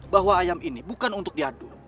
bahwa ayam ini bukan untuk diaduk